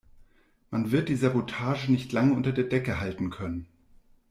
Man wird die Sabotage nicht lange unter der Decke halten können.